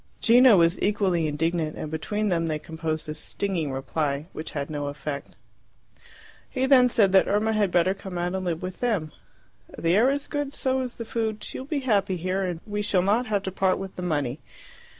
Gino was equally indignant, and between them they composed a stinging reply, which had no effect. He then said that Irma had better come out and live with them. "The air is good, so is the food; she will be happy here, and we shall not have to part with the money."